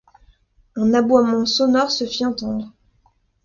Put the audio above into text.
Un aboiement sonore se fit entendre